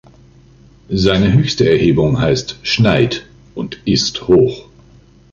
Seine höchste Erhebung heißt "Schneid" und ist hoch.